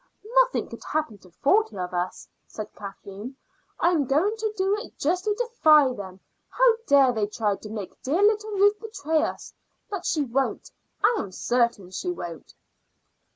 "Nothing could happen to forty of us," said Kathleen. "I am going to do it just to defy them. How dare they try to make dear little Ruth betray us? But she won't. I am certain she won't."